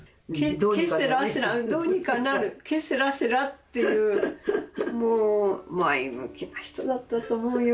ケセラセラどうにかなるケセラセラっていうもう前向きな人だったと思うよ。